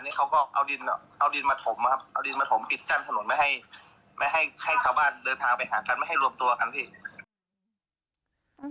ไม่ให้รวมตัวกันพี่